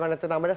ya terima kasih